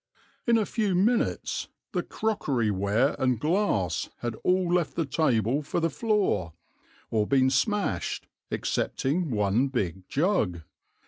In a few minutes the crockeryware and glass had all left the table for the floor, or been smashed, excepting one big jug.